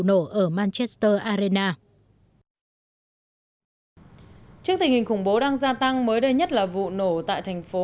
nổ ở manchester arena trước tình hình khủng bố đang gia tăng mới đây nhất là vụ nổ tại thành phố